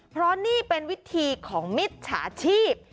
เพราะนี่เป็นวิธีของมิจฉาชีพ